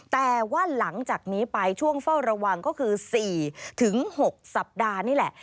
แต่ว่าหลังจากนี้ไปช่วงเฝ้าระวังก็คือ๔๖สัปดาห์นี่แหละ